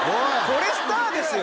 これスターですよ！